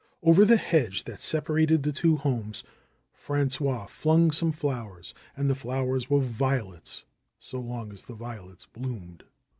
Over the hedge that separated the two homes Frangois flung some flowers, and the flowers were violets so long as the violets bloomed.